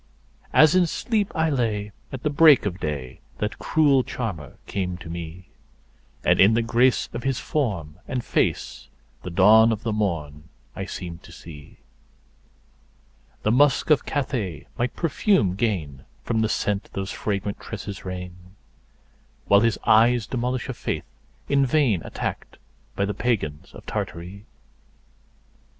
As in sleep I lay at the break of day that cruel charmer came to me, And in the grace of his form and face the dawn of the morn I seemed to see. The musk of Cathay might perfume gain from the scent those fragrant tresses rain, 1 This poem is presumably addressed to the Báb. XI. SELECTED POEMS 349 While his eyes demolish a faith in vain attacked by the pagans of Tartary1.